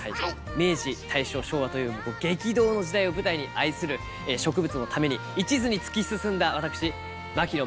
明治大正昭和というもう激動の時代を舞台に愛する植物のためにいちずに突き進んだわたくし槙野